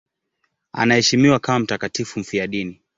Anaheshimiwa kama mtakatifu mfiadini.